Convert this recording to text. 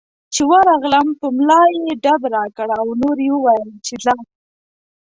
چې ورغلم په ملا یې ډب راکړ او نور یې وویل چې ځه.